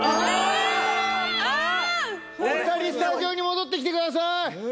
お２人スタジオに戻ってきてください！